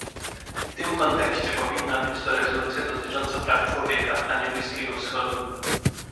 W tym kontekście powinna być to rezolucja dotycząca praw człowieka, a nie Bliskiego Wschodu